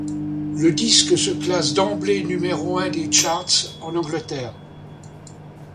Le disque se classe d'emblée numéro un des charts en Angleterre.